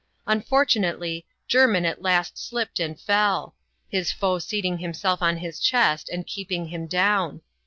Unfortu nately, Jermin at last slipped and fell ; his foe seating himself on his chest, and keeping him down.